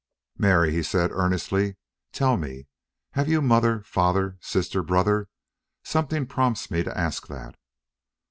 "Mary," he said, earnestly, "tell me have you mother, father, sister, brother? Something prompts me to ask that."